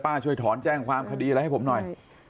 ช่วยถอนแจ้งความคดีอะไรให้ผมหน่อย